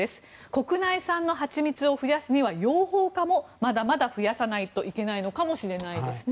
国内産のハチミツを増やすには養蜂家もまだまだ増やさないといけないのかもしれませんね。